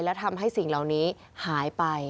และทำให้สิ่งเหล่านี้หายไป